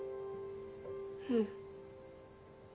うん。